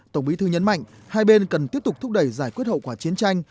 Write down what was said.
tổng bí thư nhấn mạnh hai bên cần tiếp tục thúc đẩy giải quyết hậu quả chiến tranh